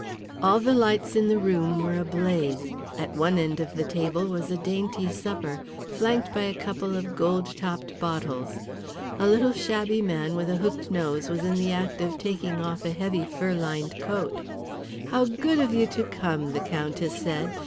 All the lights in the room were ablaze; at one end of the table was a dainty supper, flanked by a couple of gold topped bottles. A little shabby man with a hooked nose was in the act of taking off a heavy fur lined coat. "How good of you to come," the Countess said.